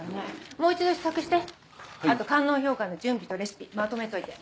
もう一度試作してあと官能評価の準備とレシピまとめといて。